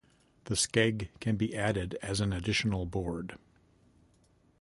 The skeg can be added as an additional board.